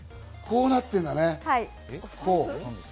こうなってるんだね。